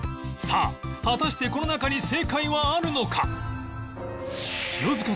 さあ果たしてこの中に正解はあるのか？